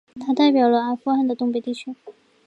他代表了阿富汗的东北地区。